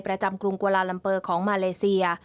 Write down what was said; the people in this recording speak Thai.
ประจำกรุงกวาลาลำเปอร์ของมาเลเซีย